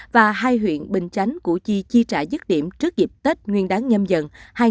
và hai huyện bình chánh củ chi chi trả dứt điểm trước dịp tết nguyên đáng nhâm dần hai nghìn hai mươi